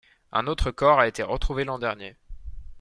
Un autre corps a été trouvé l’an dernier.